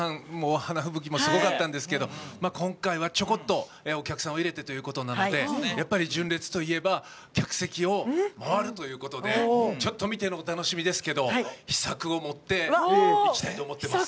花吹雪もすごかったんですが今回は、ちょこっとお客さんを入れてということなので純烈といえば客席を回るということでちょっと、見てのお楽しみですが秘策を持っていきたいと思ってます。